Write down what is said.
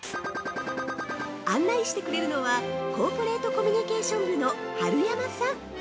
案内してくれるのはコーポレートコミュニケーション部の春山さん。